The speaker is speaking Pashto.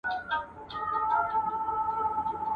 لښکر که ډېر وي، بې سره هېر وي.